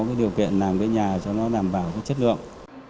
các hộ nghèo có cái điều kiện làm cái nhà cho nó đảm bảo cái chất lượng